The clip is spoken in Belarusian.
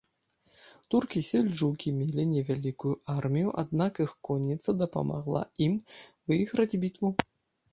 Туркі-сельджукі мелі невялікую армію, аднак іх конніца дапамагла ім выйграць бітву.